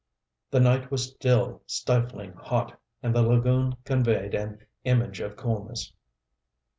The night was still stifling hot, and the lagoon conveyed an image of coolness.